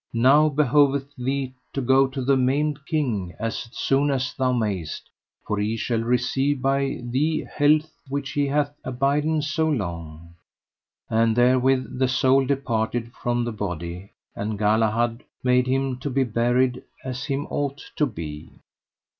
Now behoveth thee to go to the Maimed King as soon as thou mayest, for he shall receive by thee health which he hath abiden so long. And therewith the soul departed from the body, and Galahad made him to be buried as him ought to be.